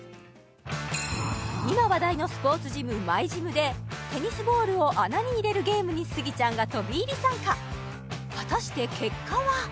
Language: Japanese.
今話題のスポーツジムＭｙＧｙｍでテニスボールを穴に入れるゲームにスギちゃんが飛び入り参加果たして結果は？